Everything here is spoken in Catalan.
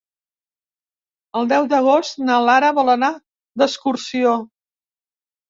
El deu d'agost na Lara vol anar d'excursió.